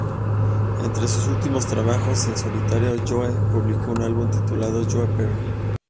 Entre sus últimos trabajos en solitario Joe publicó un álbum titulado "Joe Perry".